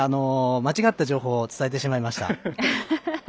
間違った情報を伝えてしまいました。